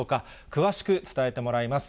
詳しく伝えてもらいます。